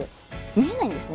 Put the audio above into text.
見えないんですね